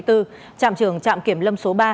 trạm trưởng trạm kiểm lâm số ba